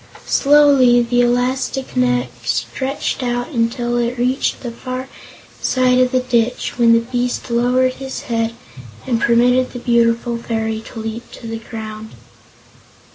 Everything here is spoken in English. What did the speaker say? Slowly the elastic neck stretched out until it reached the far side of the ditch, when the beast lowered his head and permitted the beautiful fairy to leap to the ground.